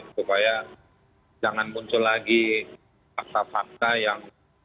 supaya jangan muncul lagi fakta fakta yang